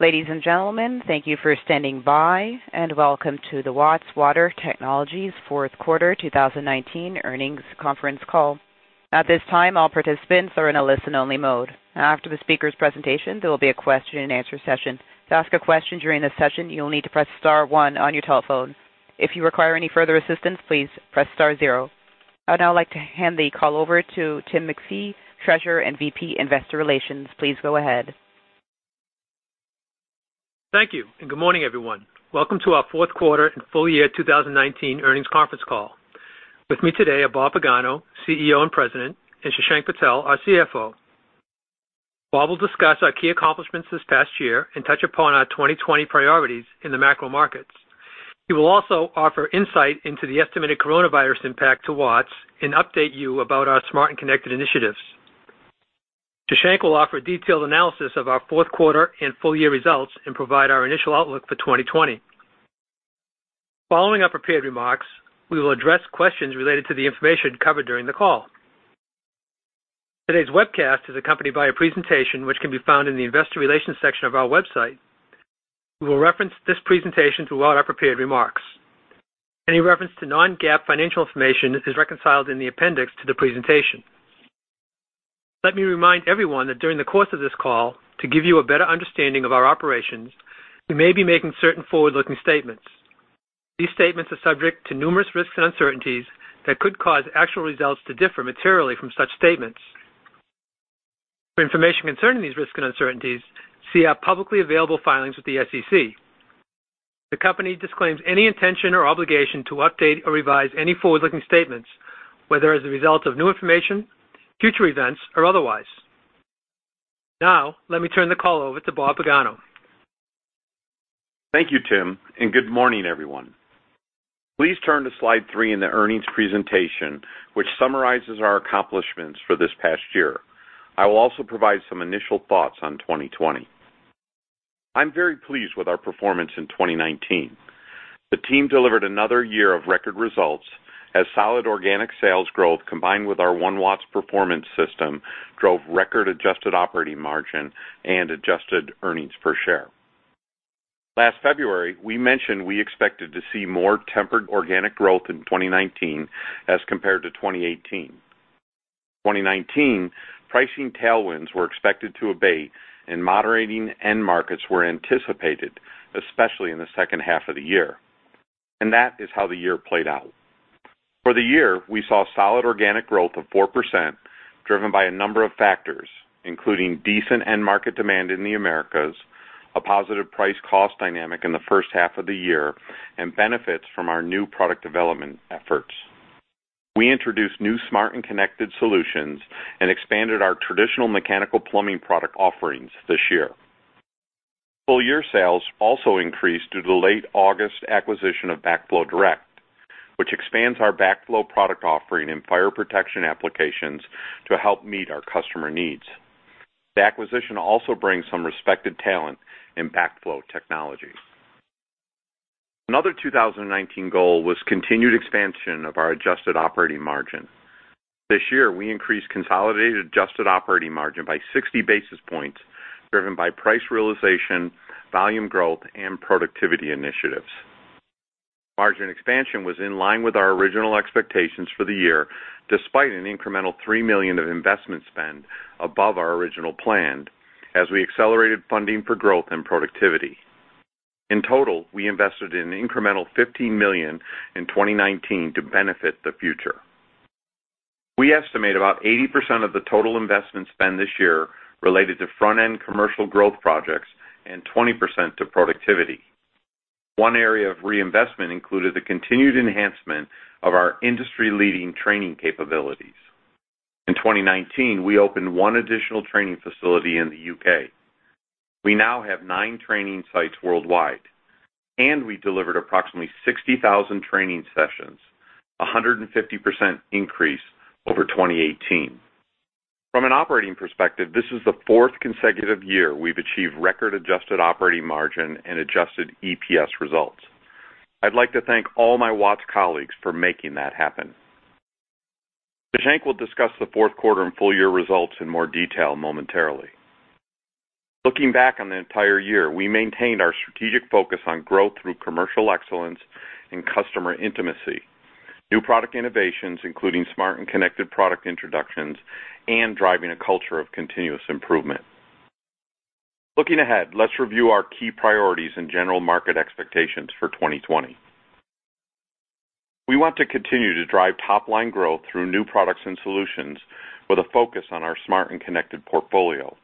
Ladies and gentlemen, thank you for standing by, and welcome to the Watts Water Technologies fourth quarter 2019 earnings conference call. At this time, all participants are in a listen-only mode. After the speaker's presentation, there will be a question-and-answer session. To ask a question during this session, you will need to press star one on your telephone. If you require any further assistance, please press star zero. I'd now like to hand the call over to Tim MacPhee, Treasurer and VP Investor Relations. Please go ahead. Thank you, and good morning, everyone. Welcome to our fourth quarter and full year 2019 earnings conference call. With me today are Bob Pagano, CEO and President, and Shashank Patel, our CFO. Bob will discuss our key accomplishments this past year and touch upon our 2020 priorities in the macro markets. He will also offer insight into the estimated coronavirus impact to Watts and update you about our smart and connected initiatives. Shashank will offer a detailed analysis of our fourth quarter and full year results and provide our initial outlook for 2020. Following our prepared remarks, we will address questions related to the information covered during the call. Today's webcast is accompanied by a presentation which can be found in the investor relations section of our website. We will reference this presentation throughout our prepared remarks. Any reference to non-GAAP financial information is reconciled in the appendix to the presentation. Let me remind everyone that during the course of this call, to give you a better understanding of our operations, we may be making certain forward-looking statements. These statements are subject to numerous risks and uncertainties that could cause actual results to differ materially from such statements. For information concerning these risks and uncertainties, see our publicly available filings with the SEC. The company disclaims any intention or obligation to update or revise any forward-looking statements, whether as a result of new information, future events, or otherwise. Now, let me turn the call over to Bob Pagano. Thank you, Tim, and good morning, everyone. Please turn to slide 3 in the earnings presentation, which summarizes our accomplishments for this past year. I will also provide some initial thoughts on 2020. I'm very pleased with our performance in 2019. The team delivered another year of record results as solid organic sales growth, combined with our One Watts Performance System, drove record adjusted operating margin and adjusted earnings per share. Last February, we mentioned we expected to see more tempered organic growth in 2019 as compared to 2018. 2019, pricing tailwinds were expected to abate and moderating end markets were anticipated, especially in the second half of the year, and that is how the year played out. For the year, we saw solid organic growth of 4%, driven by a number of factors, including decent end market demand in the Americas, a positive price-cost dynamic in the first half of the year, and benefits from our new product development efforts. We introduced new smart and connected solutions and expanded our traditional mechanical plumbing product offerings this year. Full year sales also increased due to the late August acquisition of Backflow Direct, which expands our backflow product offering in fire protection applications to help meet our customer needs. The acquisition also brings some respected talent in backflow technologies. Another 2019 goal was continued expansion of our adjusted operating margin. This year, we increased consolidated adjusted operating margin by 60 basis points, driven by price realization, volume growth, and productivity initiatives. Margin expansion was in line with our original expectations for the year, despite an incremental $3 million of investment spend above our original plan as we accelerated funding for growth and productivity. In total, we invested an incremental $15 million in 2019 to benefit the future. We estimate about 80% of the total investment spend this year related to front-end commercial growth projects and 20% to productivity. One area of reinvestment included the continued enhancement of our industry-leading training capabilities. In 2019, we opened one additional training facility in the UK. We now have nine training sites worldwide, and we delivered approximately 60,000 training sessions, a 150% increase over 2018. From an operating perspective, this is the fourth consecutive year we've achieved record adjusted operating margin and adjusted EPS results. I'd like to thank all my Watts colleagues for making that happen. Shashank will discuss the fourth quarter and full year results in more detail momentarily. Looking back on the entire year, we maintained our strategic focus on growth through commercial excellence and customer intimacy, new product innovations, including smart and connected product introductions, and driving a culture of continuous improvement. Looking ahead, let's review our key priorities and general market expectations for 2020. We want to continue to drive top-line growth through new products and solutions with a focus on our smart and connected portfolio.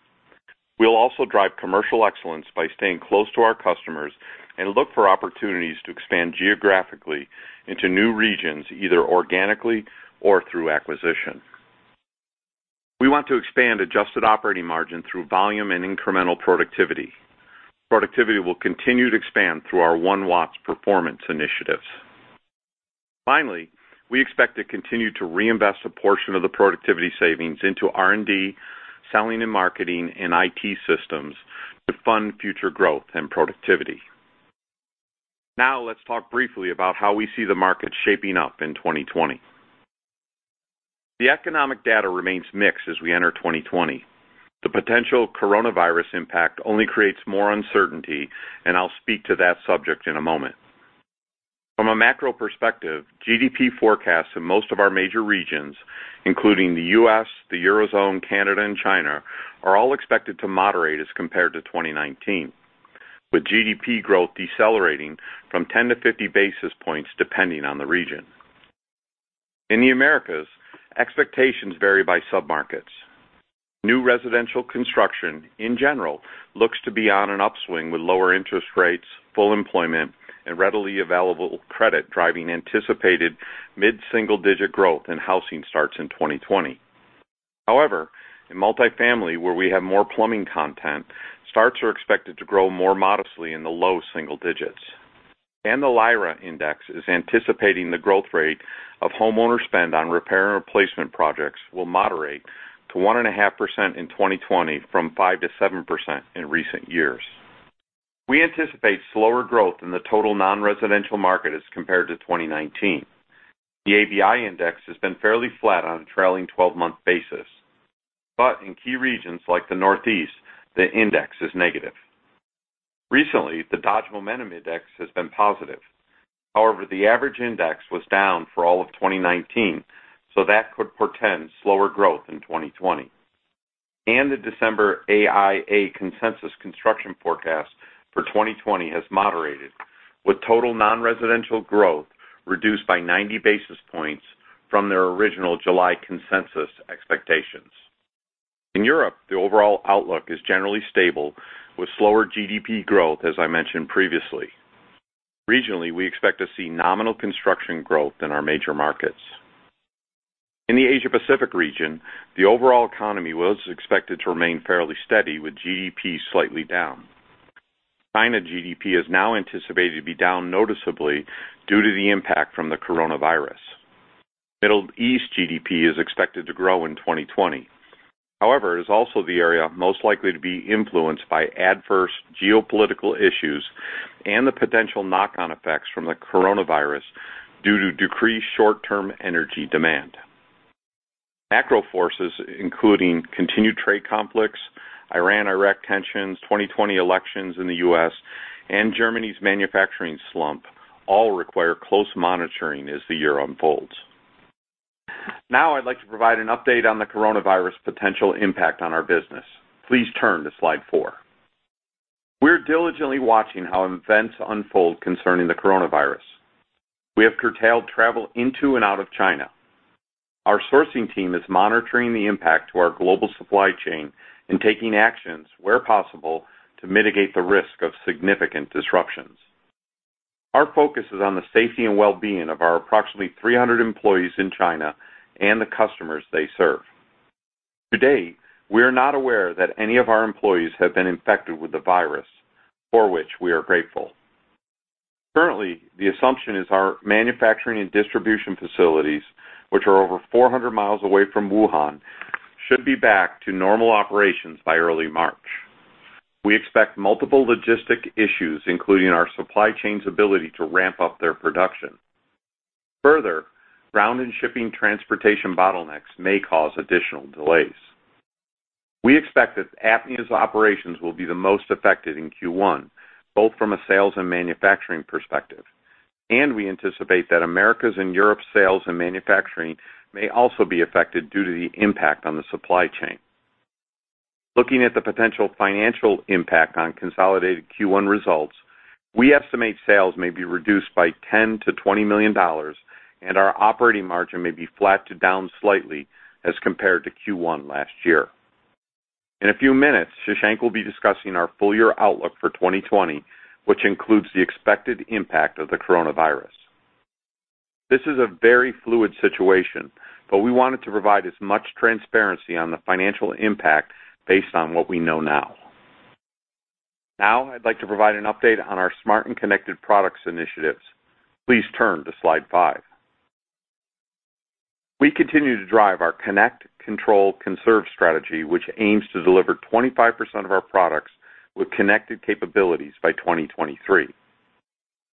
We'll also drive commercial excellence by staying close to our customers and look for opportunities to expand geographically into new regions, either organically or through acquisition. We want to expand adjusted operating margin through volume and incremental productivity. Productivity will continue to expand through our One Watts performance initiatives. Finally, we expect to continue to reinvest a portion of the productivity savings into R&D, selling and marketing, and IT systems to fund future growth and productivity. Now, let's talk briefly about how we see the market shaping up in 2020. The economic data remains mixed as we enter 2020. The potential coronavirus impact only creates more uncertainty, and I'll speak to that subject in a moment. From a macro perspective, GDP forecasts in most of our major regions, including the U.S., the Eurozone, Canada, and China, are all expected to moderate as compared to 2019, with GDP growth decelerating from 10-50 basis points, depending on the region. In the Americas, expectations vary by submarkets. New residential construction, in general, looks to be on an upswing, with lower interest rates, full employment, and readily available credit driving anticipated mid-single-digit growth in housing starts in 2020. However, in multifamily, where we have more plumbing content, starts are expected to grow more modestly in the low single digits. The LIRA is anticipating the growth rate of homeowner spend on repair and replacement projects will moderate to 1.5% in 2020, from 5%-7% in recent years. We anticipate slower growth in the total non-residential market as compared to 2019. The ABI Index has been fairly flat on a trailing twelve-month basis, but in key regions like the Northeast, the index is negative. Recently, the Dodge Momentum Index has been positive. However, the average index was down for all of 2019, so that could portend slower growth in 2020. And the December AIA consensus construction forecast for 2020 has moderated, with total non-residential growth reduced by 90 basis points from their original July consensus expectations. In Europe, the overall outlook is generally stable, with slower GDP growth, as I mentioned previously. Regionally, we expect to see nominal construction growth in our major markets. In the Asia Pacific region, the overall economy was expected to remain fairly steady, with GDP slightly down. China GDP is now anticipated to be down noticeably due to the impact from the coronavirus. Middle East GDP is expected to grow in 2020. However, it is also the area most likely to be influenced by adverse geopolitical issues and the potential knock-on effects from the coronavirus due to decreased short-term energy demand. Macro forces, including continued trade conflicts, Iran-Iraq tensions, 2020 elections in the U.S., and Germany's manufacturing slump, all require close monitoring as the year unfolds. Now I'd like to provide an update on the coronavirus potential impact on our business. Please turn to slide 4. We're diligently watching how events unfold concerning the coronavirus. We have curtailed travel into and out of China. Our sourcing team is monitoring the impact to our global supply chain and taking actions where possible to mitigate the risk of significant disruptions. Our focus is on the safety and well-being of our approximately 300 employees in China and the customers they serve. To date, we are not aware that any of our employees have been infected with the virus, for which we are grateful. Currently, the assumption is our manufacturing and distribution facilities, which are over 400 miles away from Wuhan, should be back to normal operations by early March. We expect multiple logistic issues, including our supply chain's ability to ramp up their production. Further, ground and shipping transportation bottlenecks may cause additional delays. We expect that APMEA's operations will be the most affected in Q1, both from a sales and manufacturing perspective, and we anticipate that Americas and Europe sales and manufacturing may also be affected due to the impact on the supply chain. Looking at the potential financial impact on consolidated Q1 results, we estimate sales may be reduced by $10 million-$20 million, and our operating margin may be flat to down slightly as compared to Q1 last year. In a few minutes, Shashank will be discussing our full year outlook for 2020, which includes the expected impact of the coronavirus. This is a very fluid situation, but we wanted to provide as much transparency on the financial impact based on what we know now. Now, I'd like to provide an update on our smart and connected products initiatives. Please turn to slide 5. We continue to drive our Connect, Control, Conserve strategy, which aims to deliver 25% of our products with connected capabilities by 2023.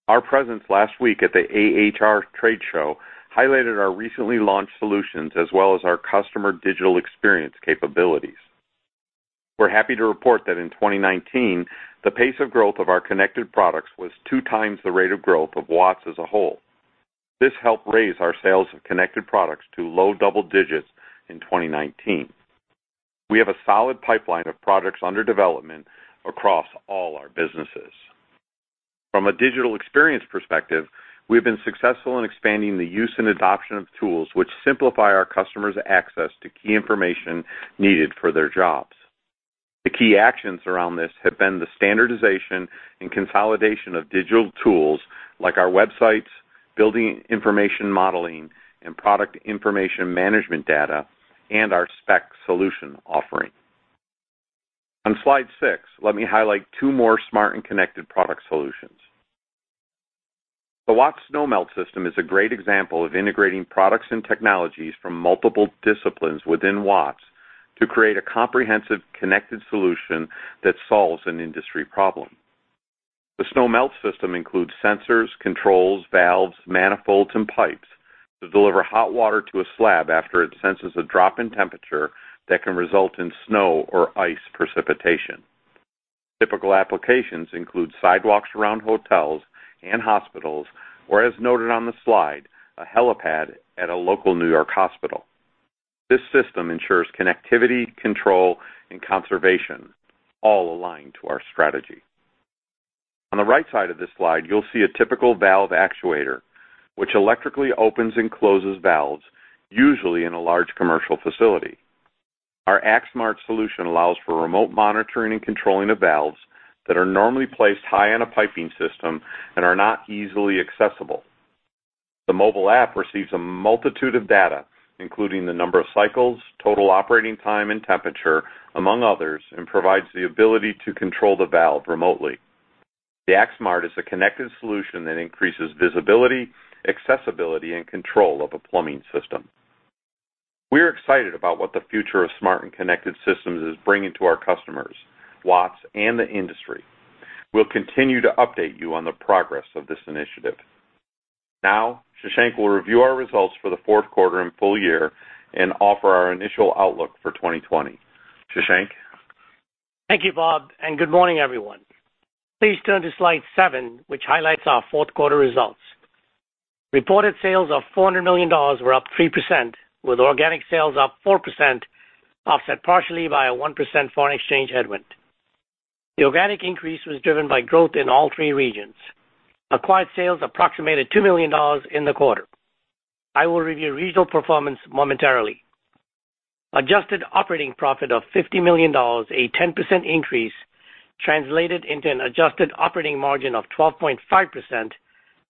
Our presence last week at the AHR trade show highlighted our recently launched solutions, as well as our customer digital experience capabilities. We're happy to report that in 2019, the pace of growth of our connected products was 2 times the rate of growth of Watts as a whole. This helped raise our sales of connected products to low double digits in 2019. We have a solid pipeline of products under development across all our businesses. From a digital experience perspective, we've been successful in expanding the use and adoption of tools which simplify our customers' access to key information needed for their jobs. The key actions around this have been the standardization and consolidation of digital tools like our websites, building information modeling, and product information management data, and our spec solution offering. On slide 6, let me highlight two more smart and connected product solutions. The Watts Snow Melt system is a great example of integrating products and technologies from multiple disciplines within Watts to create a comprehensive, connected solution that solves an industry problem. The snow melt system includes sensors, controls, valves, manifolds, and pipes that deliver hot water to a slab after it senses a drop in temperature that can result in snow or ice precipitation. Typical applications include sidewalks around hotels and hospitals, or, as noted on the slide, a helipad at a local New York hospital. This system ensures connectivity, control, and conservation, all aligned to our strategy. On the right side of this slide, you'll see a typical valve actuator, which electrically opens and closes valves, usually in a large commercial facility. Our AquaSmart solution allows for remote monitoring and controlling of valves that are normally placed high in a piping system and are not easily accessible. The mobile app receives a multitude of data, including the number of cycles, total operating time, and temperature, among others, and provides the ability to control the valve remotely. The AquaSmart is a connected solution that increases visibility, accessibility, and control of a plumbing system. We're excited about what the future of smart and connected systems is bringing to our customers, Watts, and the industry. We'll continue to update you on the progress of this initiative. Now, Shashank will review our results for the fourth quarter and full year and offer our initial outlook for 2020. Shashank? Thank you, Bob, and good morning, everyone. Please turn to slide seven, which highlights our fourth quarter results. Reported sales of $400 million were up 3%, with organic sales up 4%, offset partially by a 1% foreign exchange headwind. The organic increase was driven by growth in all three regions. Acquired sales approximated $2 million in the quarter. I will review regional performance momentarily. Adjusted operating profit of $50 million, a 10% increase, translated into an adjusted operating margin of 12.5%,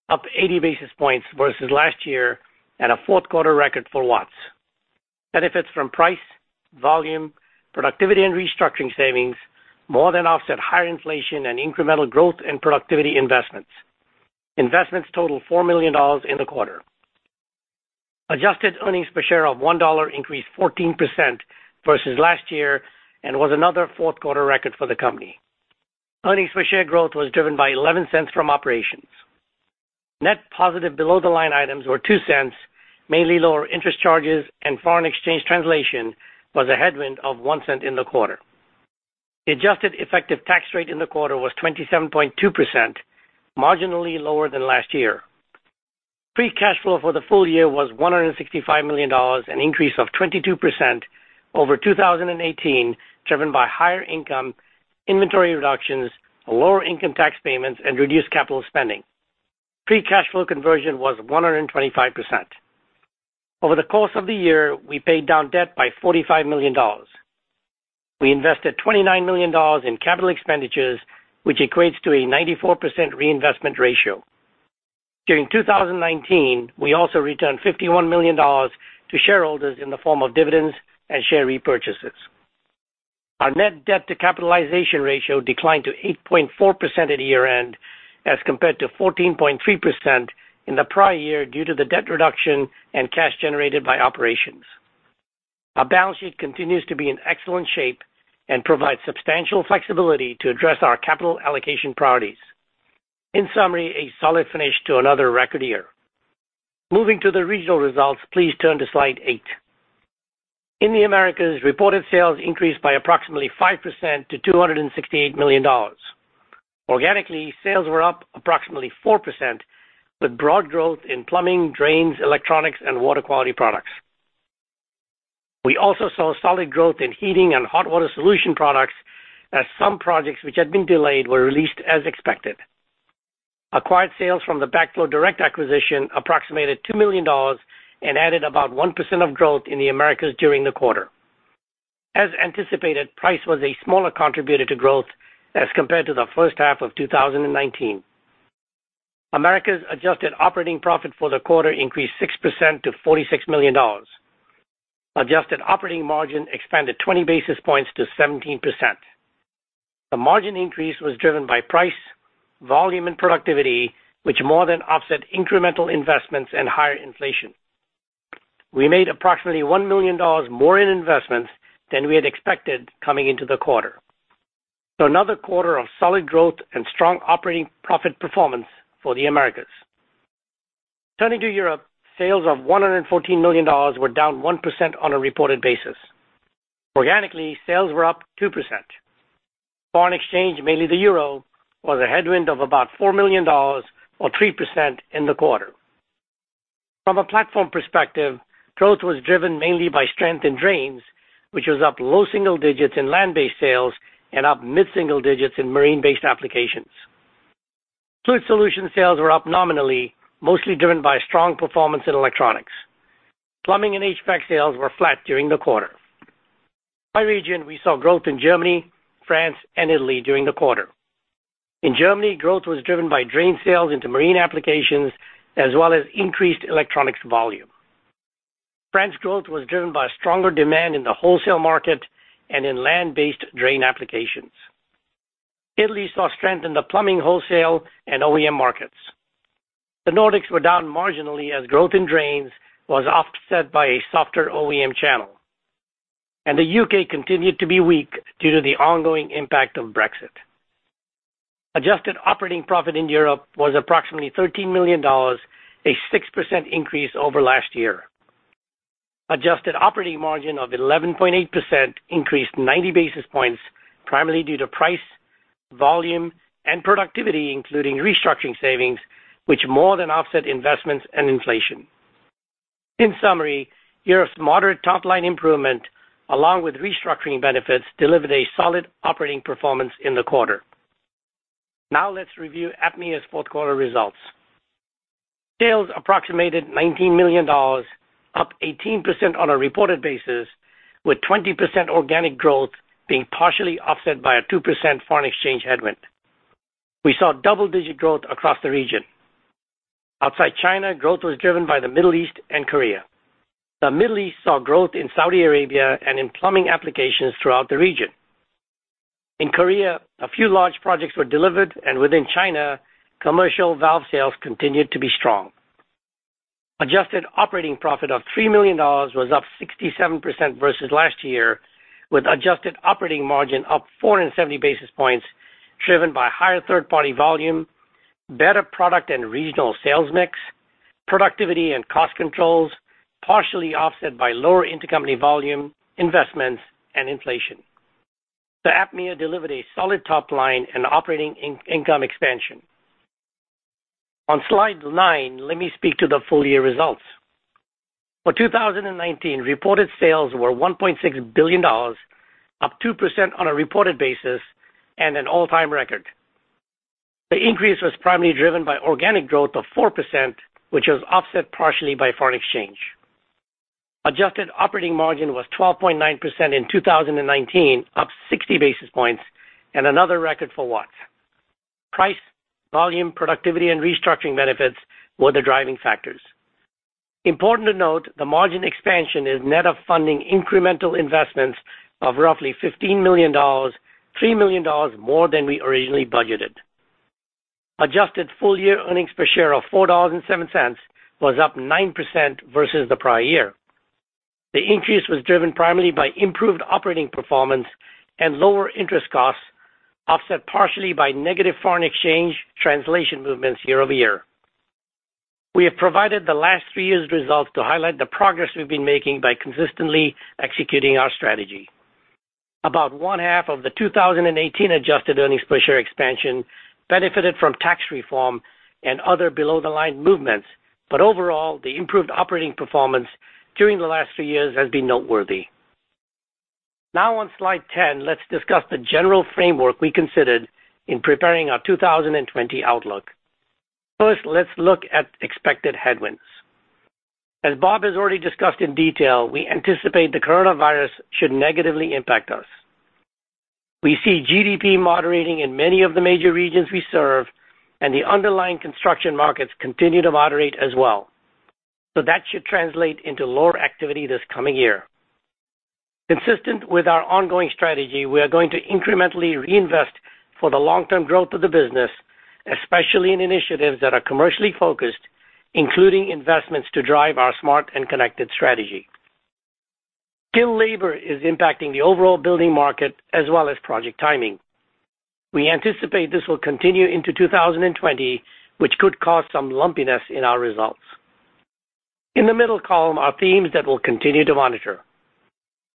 up 80 basis points versus last year and a fourth quarter record for Watts. Benefits from price, volume, productivity, and restructuring savings more than offset higher inflation and incremental growth and productivity investments. Investments totaled $4 million in the quarter. Adjusted earnings per share of $1 increased 14% versus last year and was another fourth quarter record for the company. Earnings per share growth was driven by $0.11 from operations. Net positive below-the-line items were $0.02, mainly lower interest charges, and foreign exchange translation was a headwind of $0.01 in the quarter. The adjusted effective tax rate in the quarter was 27.2%, marginally lower than last year. Free cash flow for the full year was $165 million, an increase of 22% over 2018, driven by higher income, inventory reductions, lower income tax payments, and reduced capital spending. Free cash flow conversion was 125%. Over the course of the year, we paid down debt by $45 million. We invested $29 million in capital expenditures, which equates to a 94% reinvestment ratio. During 2019, we also returned $51 million to shareholders in the form of dividends and share repurchases. Our net debt to capitalization ratio declined to 8.4% at year-end, as compared to 14.3% in the prior year, due to the debt reduction and cash generated by operations. Our balance sheet continues to be in excellent shape and provides substantial flexibility to address our capital allocation priorities. In summary, a solid finish to another record year. Moving to the regional results, please turn to slide 8. In the Americas, reported sales increased by approximately 5% to $268 million. Organically, sales were up approximately 4%, with broad growth in plumbing, drains, electronics, and water quality products. We also saw solid growth in heating and hot water solution products, as some projects which had been delayed were released as expected. Acquired sales from the Backflow Direct acquisition approximated $2 million and added about 1% of growth in the Americas during the quarter. As anticipated, price was a smaller contributor to growth as compared to the first half of 2019. Americas' adjusted operating profit for the quarter increased 6% to $46 million. Adjusted operating margin expanded 20 basis points to 17%. The margin increase was driven by price, volume, and productivity, which more than offset incremental investments and higher inflation. We made approximately $1 million more in investments than we had expected coming into the quarter. Another quarter of solid growth and strong operating profit performance for the Americas. Turning to Europe, sales of $114 million were down 1% on a reported basis. Organically, sales were up 2%. Foreign exchange, mainly the euro, was a headwind of about $4 million, or 3%, in the quarter. From a platform perspective, growth was driven mainly by strength in drains, which was up low single digits in land-based sales and up mid-single digits in marine-based applications. Fluid solution sales were up nominally, mostly driven by strong performance in electronics. Plumbing and HVAC sales were flat during the quarter. By region, we saw growth in Germany, France, and Italy during the quarter. In Germany, growth was driven by drain sales into marine applications as well as increased electronics volume. France growth was driven by stronger demand in the wholesale market and in land-based drain applications. Italy saw strength in the plumbing, wholesale, and OEM markets. The Nordics were down marginally as growth in drains was offset by a softer OEM channel... and the UK continued to be weak due to the ongoing impact of Brexit. Adjusted operating profit in Europe was approximately $13 million, a 6% increase over last year. Adjusted operating margin of 11.8% increased 90 basis points, primarily due to price, volume, and productivity, including restructuring savings, which more than offset investments and inflation. In summary, Europe's moderate top-line improvement, along with restructuring benefits, delivered a solid operating performance in the quarter. Now let's review APMEA's fourth quarter results. Sales approximated $19 million, up 18% on a reported basis, with 20% organic growth being partially offset by a 2% foreign exchange headwind. We saw double-digit growth across the region. Outside China, growth was driven by the Middle East and Korea. The Middle East saw growth in Saudi Arabia and in plumbing applications throughout the region. In Korea, a few large projects were delivered, and within China, commercial valve sales continued to be strong. Adjusted operating profit of $3 million was up 67% versus last year, with adjusted operating margin up 470 basis points, driven by higher third-party volume, better product and regional sales mix, productivity and cost controls, partially offset by lower intercompany volume, investments, and inflation. So APMEA delivered a solid top line and operating income expansion. On slide 9, let me speak to the full year results. For 2019, reported sales were $1.6 billion, up 2% on a reported basis and an all-time record. The increase was primarily driven by organic growth of 4%, which was offset partially by foreign exchange. Adjusted operating margin was 12.9% in 2019, up 60 basis points and another record for Watts. Price, volume, productivity, and restructuring benefits were the driving factors. Important to note, the margin expansion is net of funding incremental investments of roughly $15 million, $3 million more than we originally budgeted. Adjusted full-year earnings per share of $4.07 was up 9% versus the prior year. The increase was driven primarily by improved operating performance and lower interest costs, offset partially by negative foreign exchange translation movements year over year. We have provided the last three years' results to highlight the progress we've been making by consistently executing our strategy. About one half of the 2018 adjusted earnings per share expansion benefited from tax reform and other below-the-line movements, but overall, the improved operating performance during the last three years has been noteworthy. Now, on slide 10, let's discuss the general framework we considered in preparing our 2020 outlook. First, let's look at expected headwinds. As Bob has already discussed in detail, we anticipate the coronavirus should negatively impact us. We see GDP moderating in many of the major regions we serve, and the underlying construction markets continue to moderate as well. So that should translate into lower activity this coming year. Consistent with our ongoing strategy, we are going to incrementally reinvest for the long-term growth of the business, especially in initiatives that are commercially focused, including investments to drive our smart and connected strategy. Still, labor is impacting the overall building market as well as project timing. We anticipate this will continue into 2020, which could cause some lumpiness in our results. In the middle column are themes that we'll continue to monitor.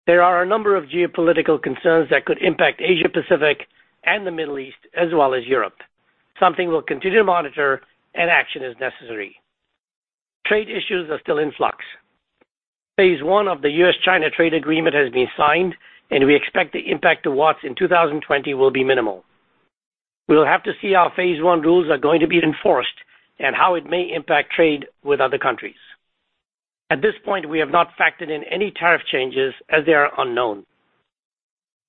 There are a number of geopolitical concerns that could impact Asia Pacific and the Middle East, as well as Europe, something we'll continue to monitor and action as necessary. Trade issues are still in flux. Phase one of the U.S.-China trade agreement has been signed, and we expect the impact to Watts in 2020 will be minimal. We will have to see how Phase One rules are going to be enforced and how it may impact trade with other countries. At this point, we have not factored in any tariff changes as they are unknown.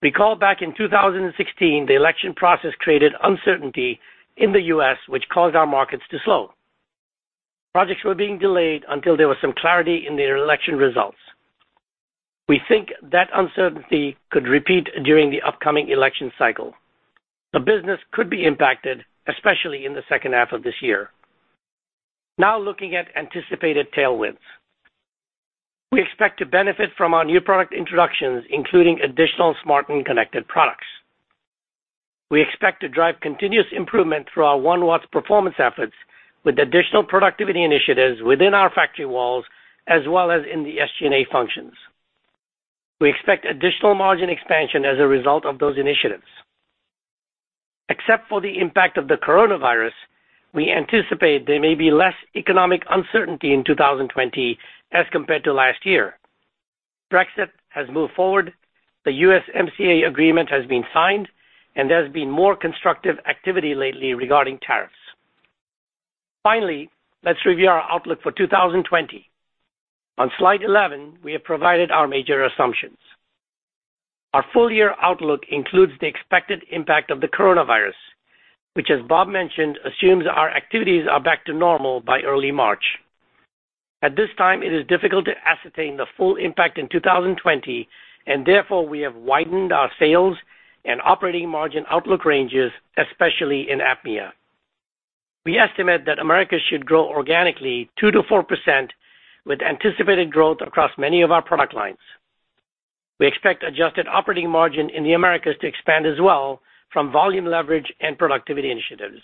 Recall back in 2016, the election process created uncertainty in the U.S., which caused our markets to slow. Projects were being delayed until there was some clarity in the election results. We think that uncertainty could repeat during the upcoming election cycle. The business could be impacted, especially in the second half of this year. Now, looking at anticipated tailwinds. We expect to benefit from our new product introductions, including additional smart and connected products. We expect to drive continuous improvement through our One Watts performance efforts, with additional productivity initiatives within our factory walls, as well as in the SG&A functions. We expect additional margin expansion as a result of those initiatives. Except for the impact of the coronavirus, we anticipate there may be less economic uncertainty in 2020 as compared to last year. Brexit has moved forward, the USMCA agreement has been signed, and there's been more constructive activity lately regarding tariffs. Finally, let's review our outlook for 2020. On slide 11, we have provided our major assumptions. Our full-year outlook includes the expected impact of the coronavirus, which, as Bob mentioned, assumes our activities are back to normal by early March. At this time, it is difficult to ascertain the full impact in 2020, and therefore, we have widened our sales and operating margin outlook ranges, especially in APMEA. We estimate that Americas should grow organically 2%-4% with anticipated growth across many of our product lines. We expect adjusted operating margin in the Americas to expand as well from volume leverage and productivity initiatives.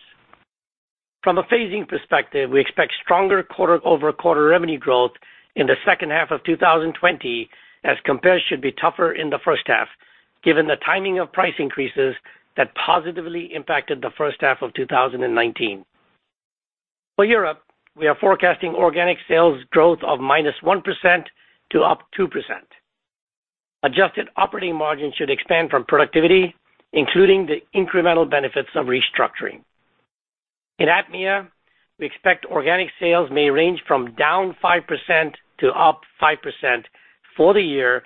From a phasing perspective, we expect stronger quarter-over-quarter revenue growth in the second half of 2020, as compares should be tougher in the first half, given the timing of price increases that positively impacted the first half of 2019. For Europe, we are forecasting organic sales growth of -1% to +2%. Adjusted operating margin should expand from productivity, including the incremental benefits of restructuring. In APMEA, we expect organic sales may range from -5% to +5% for the year,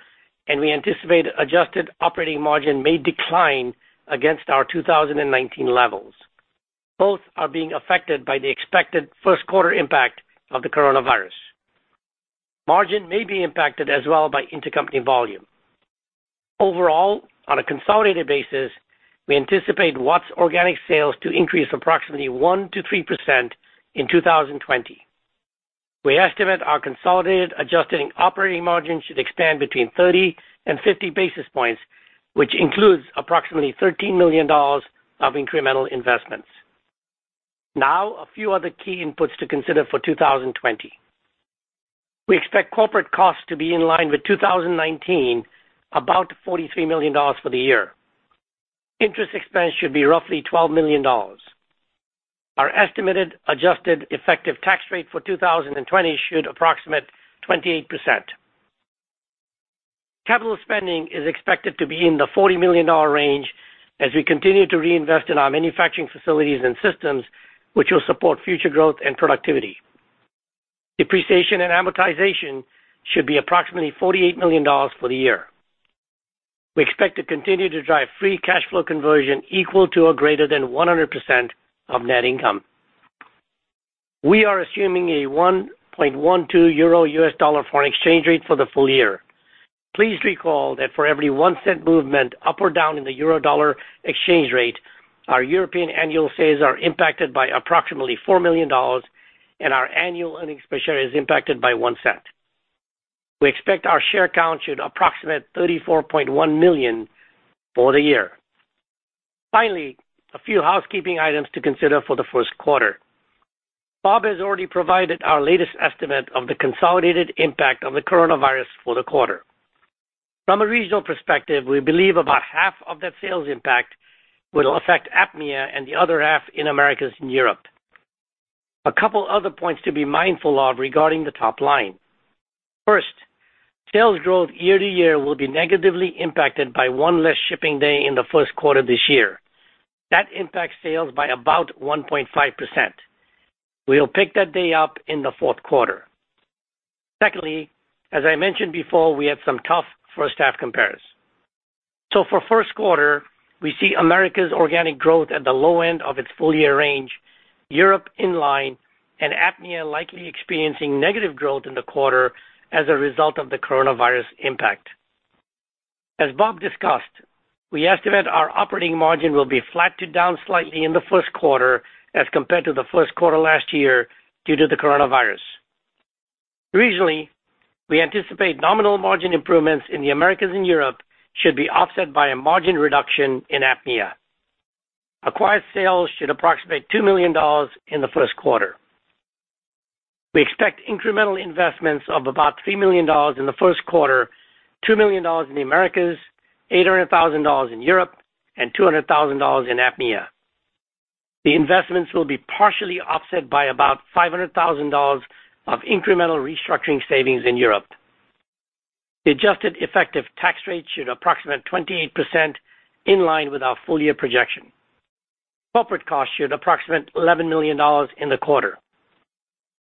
and we anticipate adjusted operating margin may decline against our 2019 levels. Both are being affected by the expected first quarter impact of the coronavirus. Margin may be impacted as well by intercompany volume. Overall, on a consolidated basis, we anticipate Watts' organic sales to increase approximately 1%-3% in 2020. We estimate our consolidated adjusted operating margin should expand between 30-50 basis points, which includes approximately $13 million of incremental investments. Now, a few other key inputs to consider for 2020. We expect corporate costs to be in line with 2019, about $43 million for the year. Interest expense should be roughly $12 million. Our estimated adjusted effective tax rate for 2020 should approximate 28%. Capital spending is expected to be in the $40 million range as we continue to reinvest in our manufacturing facilities and systems, which will support future growth and productivity. Depreciation and amortization should be approximately $48 million for the year. We expect to continue to drive free cash flow conversion equal to or greater than 100% of net income. We are assuming a 1.12 EUR/USD foreign exchange rate for the full year. Please recall that for every $0.01 movement up or down in the EUR/USD exchange rate, our European annual sales are impacted by approximately $4 million, and our annual earnings per share is impacted by $0.01. We expect our share count should approximate 34.1 million for the year. Finally, a few housekeeping items to consider for the first quarter. Bob has already provided our latest estimate of the consolidated impact of the coronavirus for the quarter. From a regional perspective, we believe about half of that sales impact will affect APMEA and the other half in Americas and Europe. A couple other points to be mindful of regarding the top line. First, sales growth year to year will be negatively impacted by one less shipping day in the first quarter this year. That impacts sales by about 1.5%. We'll pick that day up in the fourth quarter. Secondly, as I mentioned before, we have some tough first half compares. So for first quarter, we see Americas' organic growth at the low end of its full-year range, Europe in line, and APMEA likely experiencing negative growth in the quarter as a result of the coronavirus impact. As Bob discussed, we estimate our operating margin will be flat to down slightly in the first quarter as compared to the first quarter last year due to the coronavirus. Regionally, we anticipate nominal margin improvements in the Americas and Europe should be offset by a margin reduction in APMEA. Acquired sales should approximate $2 million in the first quarter. We expect incremental investments of about $3 million in the first quarter, $2 million in the Americas, $800,000 in Europe, and $200,000 in APMEA. The investments will be partially offset by about $500,000 of incremental restructuring savings in Europe. The adjusted effective tax rate should approximate 28%, in line with our full year projection. Corporate costs should approximate $11 million in the quarter.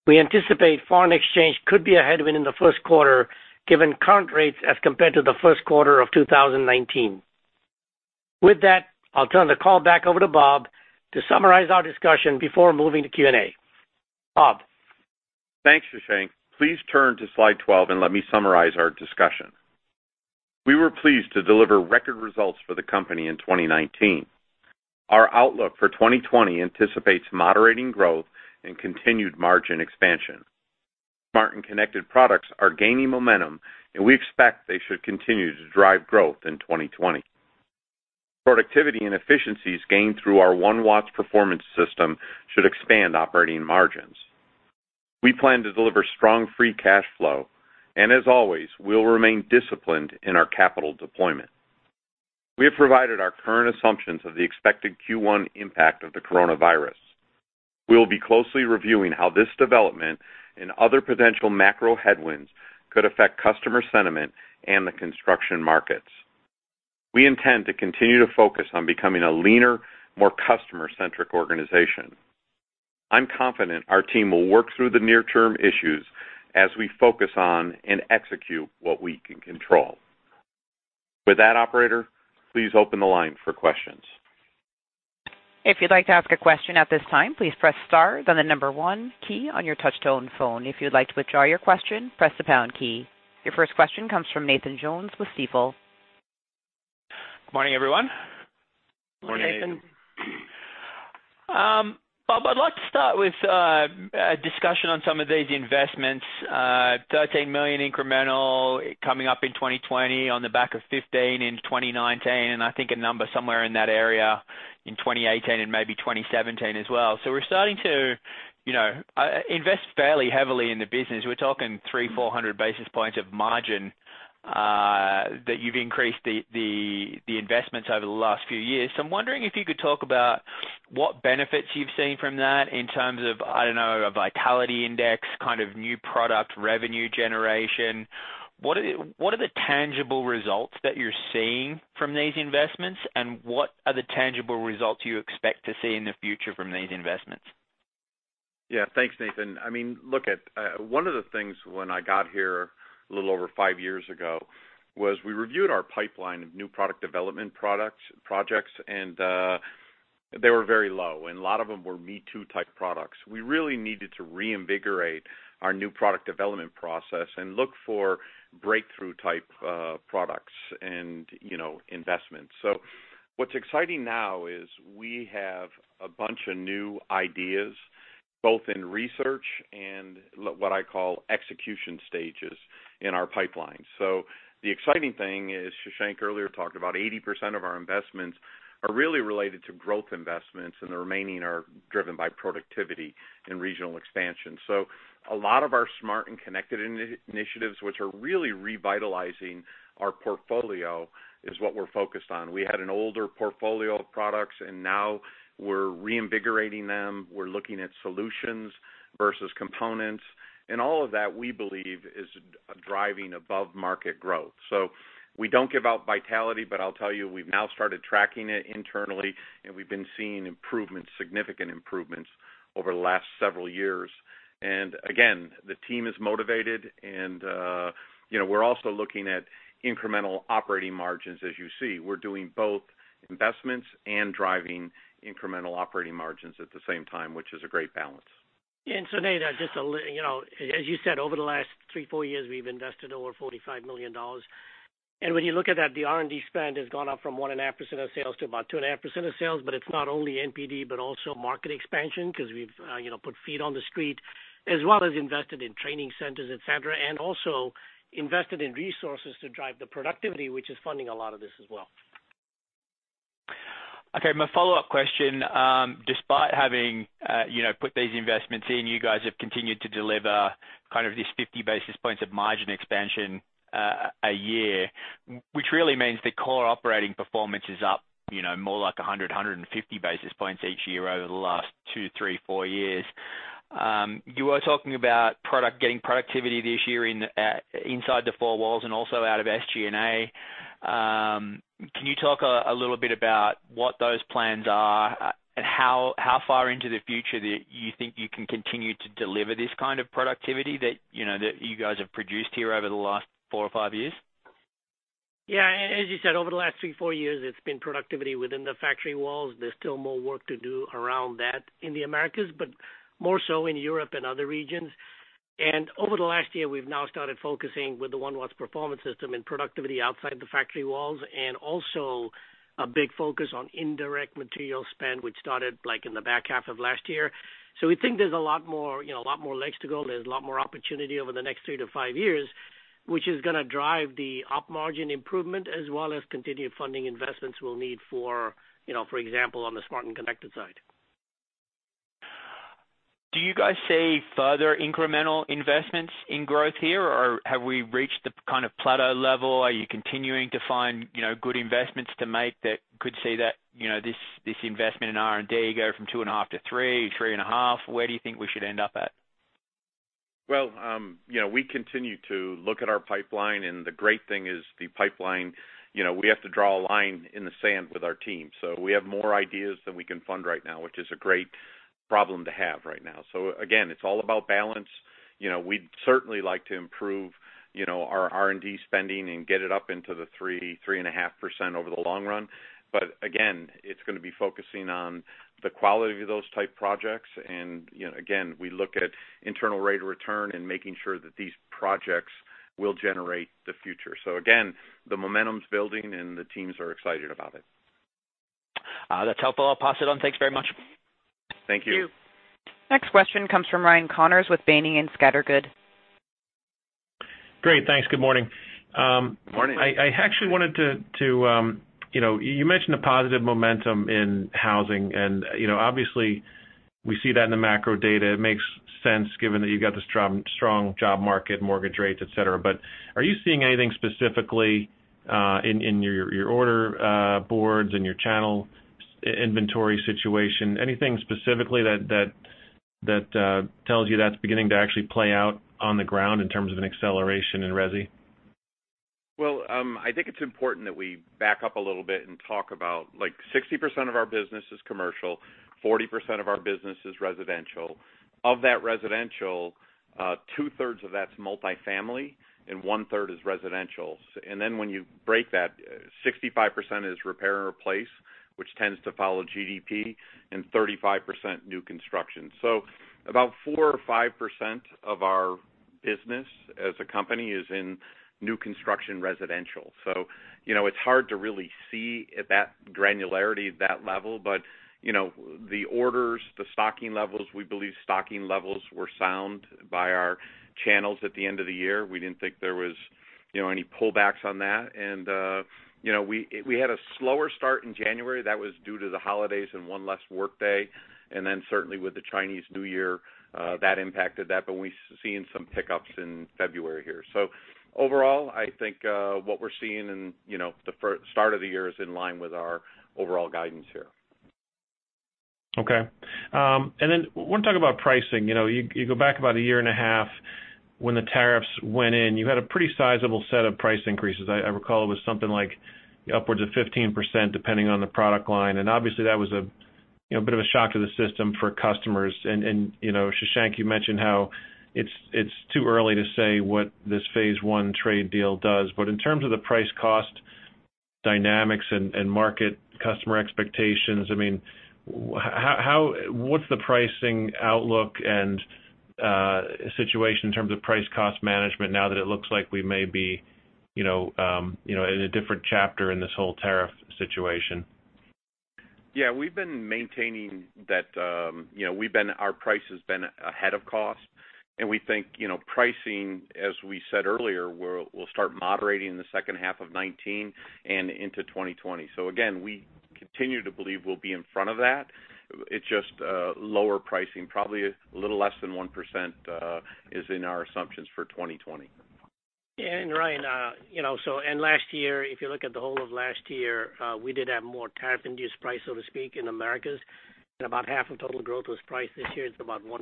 We anticipate foreign exchange could be a headwind in the first quarter, given current rates as compared to the first quarter of 2019. With that, I'll turn the call back over to Bob to summarize our discussion before moving to Q&A. Bob? Thanks, Shashank. Please turn to slide 12 and let me summarize our discussion. We were pleased to deliver record results for the company in 2019. Our outlook for 2020 anticipates moderating growth and continued margin expansion. Smart and connected products are gaining momentum, and we expect they should continue to drive growth in 2020. Productivity and efficiencies gained through our One Watts performance system should expand operating margins. We plan to deliver strong free cash flow, and as always, we'll remain disciplined in our capital deployment. We have provided our current assumptions of the expected Q1 impact of the coronavirus. We will be closely reviewing how this development and other potential macro headwinds could affect customer sentiment and the construction markets. We intend to continue to focus on becoming a leaner, more customer-centric organization. I'm confident our team will work through the near-term issues as we focus on and execute what we can control. With that, operator, please open the line for questions. If you'd like to ask a question at this time, please press star, then the number one key on your touch-tone phone. If you'd like to withdraw your question, press the pound key. Your first question comes from Nathan Jones with Stifel. Morning, everyone. Morning. Bob, I'd like to start with a discussion on some of these investments, $13 million incremental coming up in 2020 on the back of $15 million in 2019, and I think a number somewhere in that area in 2018 and maybe 2017 as well. So we're starting to, you know, invest fairly heavily in the business. We're talking 300-400 basis points of margin that you've increased the investments over the last few years. So I'm wondering if you could talk about what benefits you've seen from that in terms of, I don't know, a vitality index, kind of new product revenue generation. What are the tangible results that you're seeing from these investments? And what are the tangible results you expect to see in the future from these investments? Yeah. Thanks, Nathan. I mean, look at, one of the things when I got here a little over five years ago, was we reviewed our pipeline of new product development products, projects, and, they were very low, and a lot of them were me-too type products. We really needed to reinvigorate our new product development process and look for breakthrough type, products and, you know, investments. So what's exciting now is we have a bunch of new ideas, both in research and what I call execution stages in our pipeline. So the exciting thing is, Shashank earlier talked about 80% of our investments are really related to growth investments, and the remaining are driven by productivity and regional expansion. So a lot of our smart and connected initiatives, which are really revitalizing our portfolio, is what we're focused on. We had an older portfolio of products, and now we're reinvigorating them. We're looking at solutions versus components, and all of that, we believe, is driving above market growth. So we don't give out vitality, but I'll tell you, we've now started tracking it internally, and we've been seeing improvements, significant improvements, over the last several years. And again, the team is motivated and, you know, we're also looking at incremental operating margins as you see. We're doing both investments and driving incremental operating margins at the same time, which is a great balance. Nathan, you know, as you said, over the last three, four years, we've invested over $45 million. When you look at that, the R&D spend has gone up from 1.5% of sales to about 2.5% of sales, but it's not only NPD, but also market expansion, 'cause we've, you know, put feet on the street, as well as invested in training centers, et cetera, and also invested in resources to drive the productivity, which is funding a lot of this as well. Okay, my follow-up question, despite having, you know, put these investments in, you guys have continued to deliver kind of this 50 basis points of margin expansion a year, which really means the core operating performance is up, you know, more like 100-150 basis points each year over the last 2, 3, 4 years. You were talking about getting productivity this year inside the four walls and also out of SG&A. Can you talk a little bit about what those plans are, and how far into the future that you think you can continue to deliver this kind of productivity that, you know, that you guys have produced here over the last 4 or 5 years? Yeah, as you said, over the last three, four years, it's been productivity within the factory walls. There's still more work to do around that in the Americas, but more so in Europe and other regions. And over the last year, we've now started focusing with the One Watts performance system and productivity outside the factory walls, and also a big focus on indirect material spend, which started, like, in the back half of last year. So we think there's a lot more, you know, a lot more legs to go. There's a lot more opportunity over the next three to five years, which is gonna drive the op margin improvement, as well as continued funding investments we'll need for, you know, for example, on the smart and connected side. Do you guys see further incremental investments in growth here, or have we reached the kind of plateau level? Are you continuing to find, you know, good investments to make that could see that, you know, this, this investment in R&D go from 2.5 to 3-3.5? Where do you think we should end up at? Well, you know, we continue to look at our pipeline, and the great thing is the pipeline, you know, we have to draw a line in the sand with our team. So we have more ideas than we can fund right now, which is a great problem to have right now. So again, it's all about balance. You know, we'd certainly like to improve, you know, our R&D spending and get it up into the 3%-3.5% over the long run. But again, it's gonna be focusing on the quality of those type projects, and, you know, again, we look at internal rate of return and making sure that these projects will generate the future. So again, the momentum's building, and the teams are excited about it. That's helpful. I'll pass it on. Thanks very much. Thank you. Thank you. Next question comes from Ryan Connors with Boenning & Scattergood. Great. Thanks. Good morning. Good morning. I actually wanted to, you know, you mentioned the positive momentum in housing, and, you know, obviously, we see that in the macro data. It makes sense, given that you've got this strong, strong job market, mortgage rates, et cetera. But are you seeing anything specifically in your order boards and your channel inventory situation, anything specifically that tells you that's beginning to actually play out on the ground in terms of an acceleration in resi? Well, I think it's important that we back up a little bit and talk about, like, 60% of our business is commercial, 40% of our business is residential. Of that residential, two-thirds of that's multifamily and one-third is residential. And then when you break that, 65% is repair and replace, which tends to follow GDP and 35% new construction. So about 4% or 5% of our business as a company is in new construction residential. So, you know, it's hard to really see at that granularity, at that level, but, you know, the orders, the stocking levels, we believe stocking levels were sound by our channels at the end of the year. We didn't think there was, you know, any pullbacks on that. And, you know, we had a slower start in January. That was due to the holidays and one less workday, and then certainly with the Chinese New Year, that impacted that, but we've seen some pick-ups in February here. So overall, I think, what we're seeing in, you know, the start of the year is in line with our overall guidance here. Okay. And then I wanna talk about pricing. You know, you go back about a year and a half when the tariffs went in, you had a pretty sizable set of price increases. I recall it was something like upwards of 15%, depending on the product line, and obviously, that was a you know bit of a shock to the system for customers. And you know, Shashank, you mentioned how it's too early to say what this phase one trade deal does. But in terms of the price cost dynamics and market customer expectations, I mean, how? What's the pricing outlook and situation in terms of price cost management now that it looks like we may be you know in a different chapter in this whole tariff situation? Yeah, we've been maintaining that, you know, our price has been ahead of cost, and we think, you know, pricing, as we said earlier, will start moderating in the second half of 2019 and into 2020. So again, we continue to believe we'll be in front of that. It's just lower pricing, probably a little less than 1%, is in our assumptions for 2020. Ryan, you know, last year, if you look at the whole of last year, we did have more tariff-induced price, so to speak, in Americas, and about half of total growth was price. This year, it's about 1%,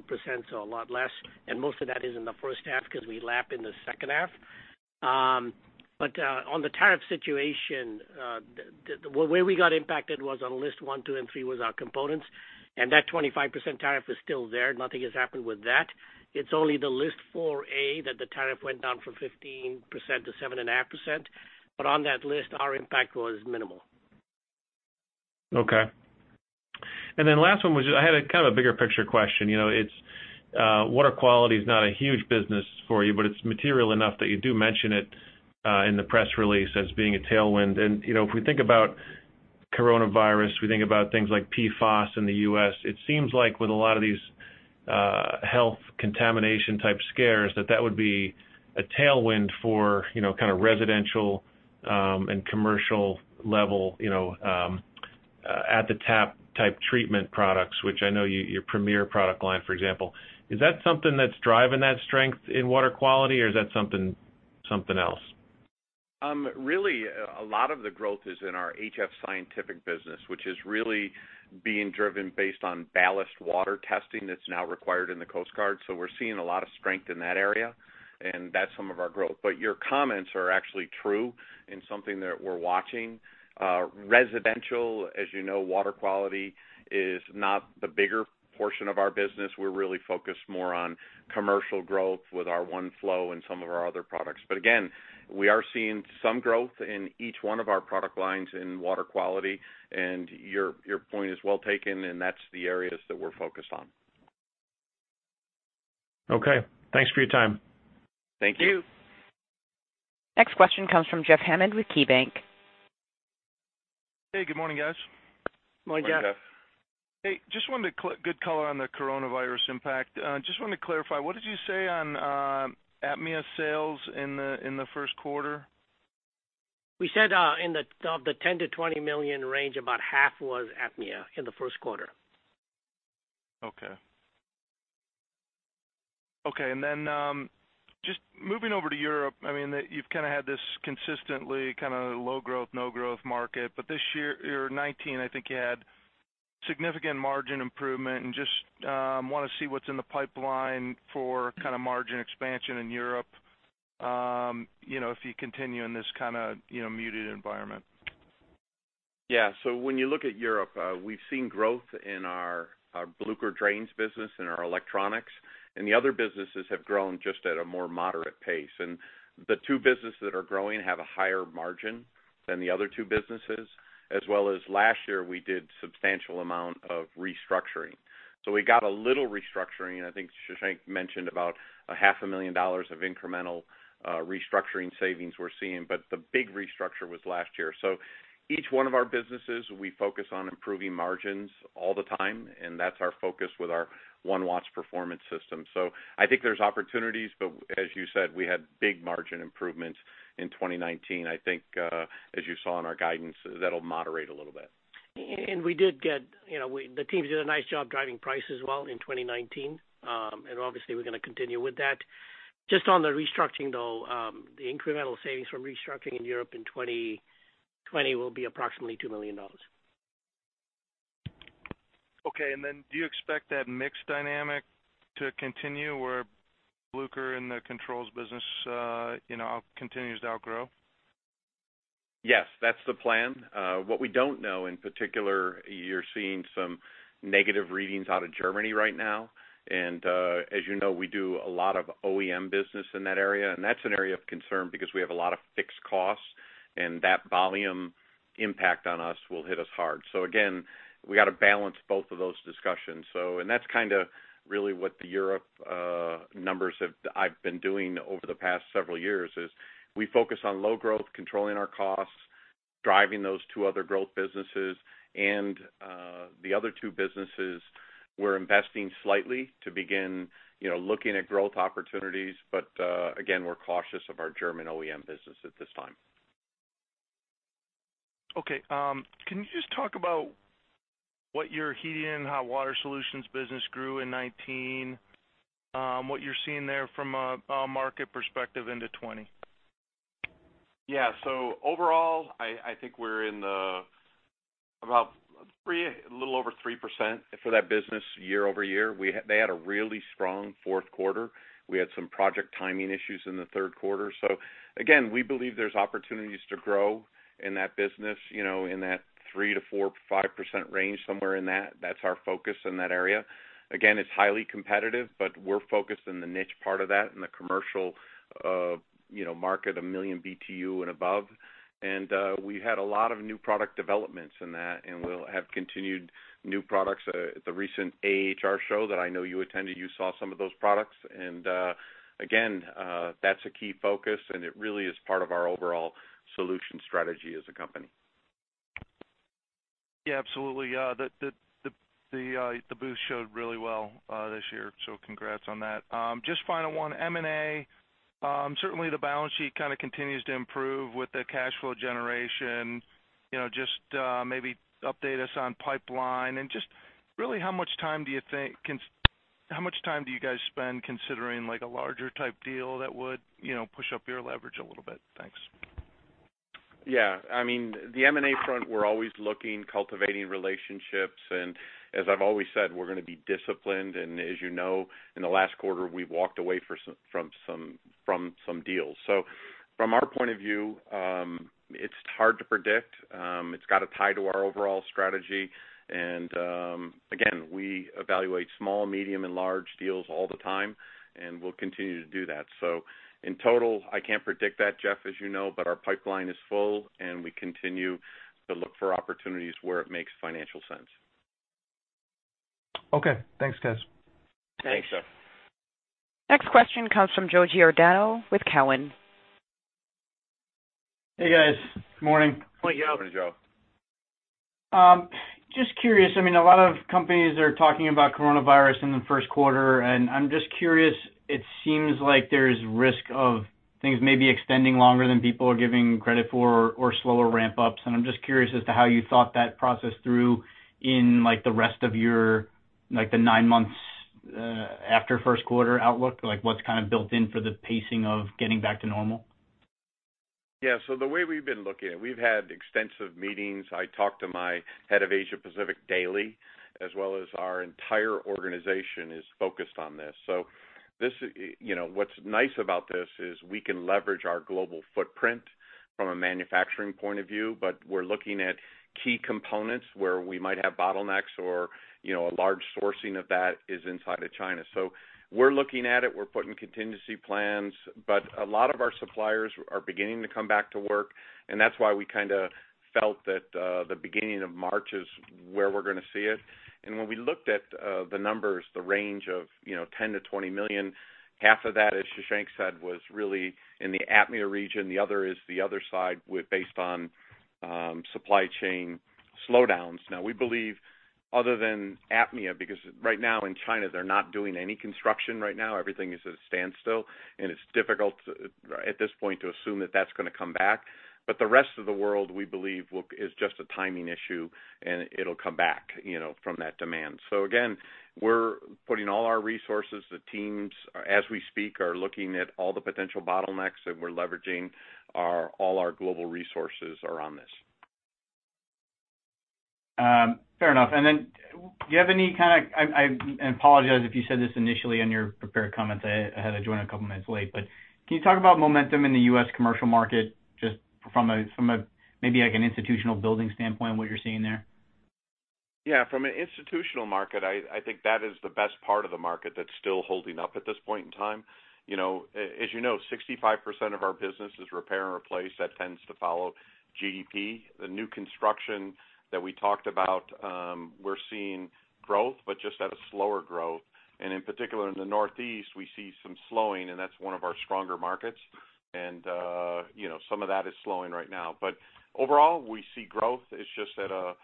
so a lot less, and most of that is in the first half because we lap in the second half. But on the tariff situation, where we got impacted was on list 1, 2, and 3 was our components, and that 25% tariff is still there. Nothing has happened with that. It's only the list 4A that the tariff went down from 15% to 7.5%, but on that list, our impact was minimal. Okay. And then last one was, I had a kind of a bigger picture question. You know, it's water quality is not a huge business for you, but it's material enough that you do mention it in the press release as being a tailwind. And, you know, if we think about coronavirus, we think about things like PFAS in the U.S., it seems like with a lot of these health contamination-type scares, that that would be a tailwind for, you know, kind of residential and commercial level, you know, at the tap-type treatment products, which I know your premier product line, for example. Is that something that's driving that strength in water quality, or is that something, something else? Really, a lot of the growth is in our HF Scientific business, which is really being driven based on ballast water testing that's now required in the Coast Guard. So we're seeing a lot of strength in that area, and that's some of our growth. But your comments are actually true and something that we're watching. Residential, as you know, water quality is not the bigger portion of our business. We're really focused more on commercial growth with our OneFlow and some of our other products. But again, we are seeing some growth in each one of our product lines in water quality, and your point is well taken, and that's the areas that we're focused on. Okay, thanks for your time. Thank you. Next question comes from Jeff Hammond with KeyBanc. Hey, good morning, guys. Good morning, Jeff. Good morning, Jeff. Hey, good color on the coronavirus impact. Just wanted to clarify, what did you say on APMEA sales in the first quarter? We said in the $10 million-$20 million range, about half was APMEA in the first quarter. Okay. Okay, and then, just moving over to Europe, I mean, you've kind of had this consistently kind of low growth, no growth market, but this year, year 2019, I think you had significant margin improvement, and just, wanna see what's in the pipeline for kind of margin expansion in Europe, you know, if you continue in this kind of, you know, muted environment. Yeah. So when you look at Europe, we've seen growth in our Blücher drains business and our electronics, and the other businesses have grown just at a more moderate pace. And the two businesses that are growing have a higher margin than the other two businesses, as well as last year, we did substantial amount of restructuring. So we got a little restructuring, and I think Shashank mentioned about $500,000 of incremental restructuring savings we're seeing, but the big restructure was last year. So each one of our businesses, we focus on improving margins all the time, and that's our focus with our One Watts performance system. So I think there's opportunities, but as you said, we had big margin improvements in 2019. I think, as you saw in our guidance, that'll moderate a little bit. And we did get, you know, the teams did a nice job driving price as well in 2019. And obviously, we're gonna continue with that. Just on the restructuring, though, the incremental savings from restructuring in Europe in 2020 will be approximately $2 million. Okay, and then do you expect that mix dynamic to continue, where Blücher and the controls business, you know, continues to outgrow? Yes, that's the plan. What we don't know, in particular, you're seeing some negative readings out of Germany right now. And, as you know, we do a lot of OEM business in that area, and that's an area of concern because we have a lot of fixed costs... and that volume impact on us will hit us hard. So again, we got to balance both of those discussions. So and that's kind of really what the Europe numbers have. I've been doing over the past several years, is we focus on low growth, controlling our costs, driving those two other growth businesses. And, the other two businesses, we're investing slightly to begin, you know, looking at growth opportunities. But, again, we're cautious of our German OEM business at this time. Okay, can you just talk about what your heating and hot water solutions business grew in 2019, what you're seeing there from a market perspective into 2020? Yeah. So overall, I think we're in the about 3, a little over 3% for that business year-over-year. They had a really strong fourth quarter. We had some project timing issues in the third quarter. So again, we believe there's opportunities to grow in that business, you know, in that 3-5% range, somewhere in that. That's our focus in that area. Again, it's highly competitive, but we're focused in the niche part of that, in the commercial, you know, market, 1 million BTU and above. And, we had a lot of new product developments in that, and we'll have continued new products. At the recent AHR show that I know you attended, you saw some of those products. Again, that's a key focus, and it really is part of our overall solution strategy as a company. Yeah, absolutely. The booth showed really well this year, so congrats on that. Just final one, M&A. Certainly, the balance sheet kind of continues to improve with the cash flow generation. You know, just maybe update us on pipeline and just really, how much time do you think how much time do you guys spend considering, like, a larger type deal that would, you know, push up your leverage a little bit? Thanks. Yeah. I mean, the M&A front, we're always looking, cultivating relationships, and as I've always said, we're gonna be disciplined. And as you know, in the last quarter, we've walked away from some deals. So from our point of view, it's hard to predict. It's got to tie to our overall strategy. And again, we evaluate small, medium, and large deals all the time, and we'll continue to do that. So in total, I can't predict that, Jeff, as you know, but our pipeline is full, and we continue to look for opportunities where it makes financial sense. Okay, thanks, guys. Thanks, Jeff. Next question comes from Joe Giordano with Cowen. Hey, guys. Good morning. Morning, Joe. Morning, Joe. Just curious, I mean, a lot of companies are talking about coronavirus in the first quarter, and I'm just curious, it seems like there's risk of things maybe extending longer than people are giving credit for or slower ramp-ups, and I'm just curious as to how you thought that process through in, like, the rest of your, like, the nine months, after first quarter outlook? Like, what's kind of built in for the pacing of getting back to normal? Yeah. So the way we've been looking at it, we've had extensive meetings. I talk to my head of Asia Pacific daily, as well as our entire organization is focused on this. So this, you know, what's nice about this is we can leverage our global footprint from a manufacturing point of view, but we're looking at key components where we might have bottlenecks or, you know, a large sourcing of that is inside of China. So we're looking at it, we're putting contingency plans, but a lot of our suppliers are beginning to come back to work, and that's why we kind of felt that, the beginning of March is where we're gonna see it. And when we looked at, the numbers, the range of, you know, $10 million-$20 million, half of that, as Shashank said, was really in the APMEA region. The other is the other side based on supply chain slowdowns. Now, we believe other than APMEA, because right now in China, they're not doing any construction. Everything is at a standstill, and it's difficult at this point to assume that that's gonna come back. But the rest of the world, we believe, is just a timing issue, and it'll come back, you know, from that demand. So again, we're putting all our resources. The teams, as we speak, are looking at all the potential bottlenecks, and we're leveraging all our global resources on this. Fair enough. And then do you have any kind of... I apologize if you said this initially in your prepared comments. I had to join a couple of minutes late. But can you talk about momentum in the U.S. commercial market, just from a, maybe like an institutional building standpoint, what you're seeing there? Yeah. From an institutional market, I think that is the best part of the market that's still holding up at this point in time. You know, as you know, 65% of our business is repair and replace, that tends to follow GDP. The new construction that we talked about, we're seeing growth, but just at a slower growth. And in particular, in the Northeast, we see some slowing, and that's one of our stronger markets. And, you know, some of that is slowing right now. But overall, we see growth. It's just at a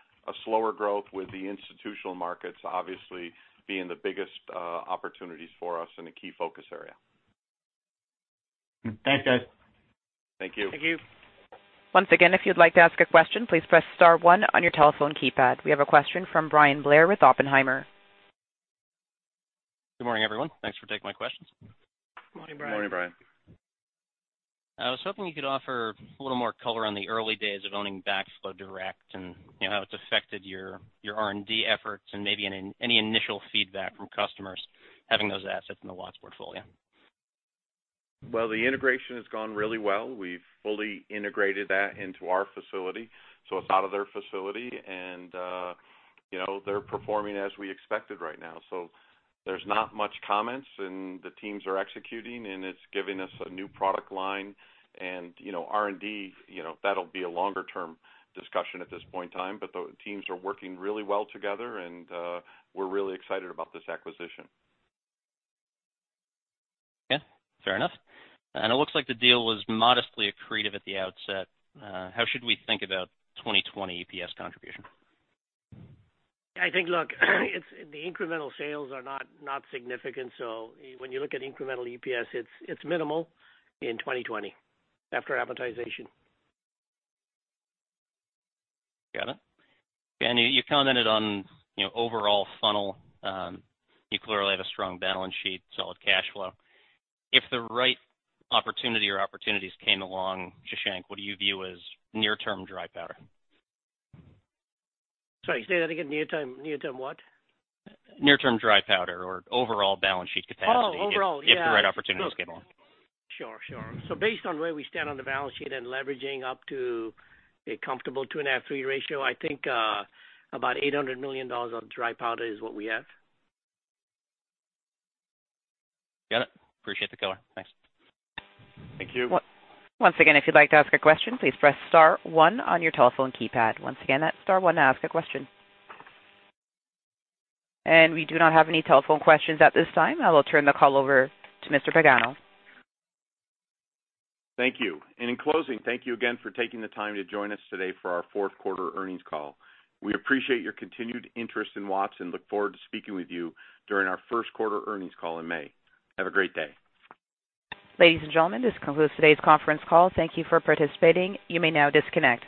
slower growth with the institutional markets obviously being the biggest opportunities for us and a key focus area. Thanks, guys. Thank you. Thank you. Once again, if you'd like to ask a question, please press star one on your telephone keypad. We have a question from Bryan Blair with Oppenheimer. Good morning, everyone. Thanks for taking my questions. Good morning, Brian. Good morning, Brian. I was hoping you could offer a little more color on the early days of owning Backflow Direct and, you know, how it's affected your R&D efforts and maybe any initial feedback from customers having those assets in the Watts portfolio? Well, the integration has gone really well. We've fully integrated that into our facility, so it's out of their facility, and, you know, they're performing as we expected right now. So, there's not much comments, and the teams are executing, and it's giving us a new product line. And, you know, R&D, you know, that'll be a longer-term discussion at this point in time. But the teams are working really well together, and, we're really excited about this acquisition. Yeah, fair enough. It looks like the deal was modestly accretive at the outset. How should we think about 2020 EPS contribution? I think, look, it's the incremental sales are not significant, so when you look at incremental EPS, it's minimal in 2020, after amortization. Got it. And you commented on, you know, overall funnel. You clearly have a strong balance sheet, solid cash flow. If the right opportunity or opportunities came along, Shashank, what do you view as near-term dry powder? Sorry, say that again. Near-term, near-term what? Near-term dry powder or overall balance sheet capacity. Oh, overall, yeah. if the right opportunities came along. Sure, sure. So based on where we stand on the balance sheet and leveraging up to a comfortable 2.5-3 ratio, I think, about $800 million of dry powder is what we have. Got it. Appreciate the color. Thanks. Thank you. Once again, if you'd like to ask a question, please press star one on your telephone keypad. Once again, that's star one to ask a question. We do not have any telephone questions at this time. I will turn the call over to Mr. Pagano. Thank you. In closing, thank you again for taking the time to join us today for our fourth quarter earnings call. We appreciate your continued interest in Watts and look forward to speaking with you during our first quarter earnings call in May. Have a great day. Ladies and gentlemen, this concludes today's conference call. Thank you for participating. You may now disconnect.